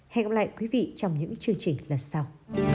hẹn gặp lại quý vị trong những chương trình lần sau